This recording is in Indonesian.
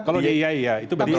kalau diy ya itu berdiri